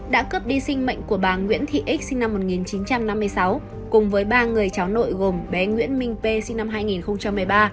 đã cướp đi sinh mệnh của bà nguyễn thị x sinh năm một nghìn chín trăm năm mươi sáu cùng với ba người cháu nội gồm bé nguyễn minh p sinh năm hai nghìn một mươi ba